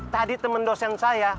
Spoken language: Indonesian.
tadi temen dosen saya